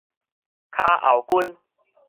跤後筋